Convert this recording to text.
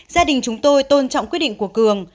gia đình chúng tôi tôn trọng quyết định của cường